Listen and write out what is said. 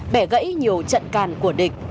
bẻ gãy nhiều trận càn của địch